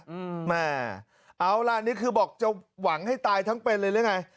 อืมแม่เอาล่ะนี่คือบอกจะหวังให้ตายทั้งเป็นเลยหรือไง